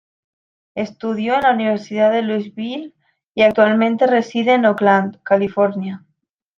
Estudió en la Universidad de Louisville y actualmente reside en Oakland, California.